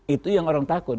itu yang orang takut